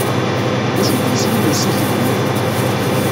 D acu-t yeswi n ussikel-nnek?